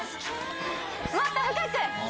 もっと深く！